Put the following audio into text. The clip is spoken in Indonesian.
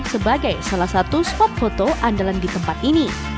sebagai salah satu spot foto andalan di tempat ini